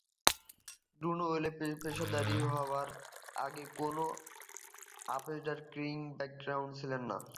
Dunaway পেশাদারী হওয়ার আগে কোন অপেশাদার বক্সিং ব্যাকগ্রাউন্ড ছিল না।